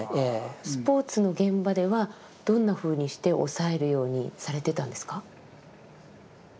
スポーツの現場ではどんなふうにして抑えるようにされてたんですか？